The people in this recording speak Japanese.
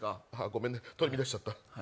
ごめん、取り乱しちゃった。